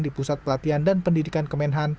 di pusat pelatihan dan pendidikan kemenhan